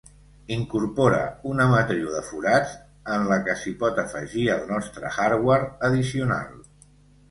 Incorpora una matriu de forats en la que s'hi pot afegir el nostre hardware addicional.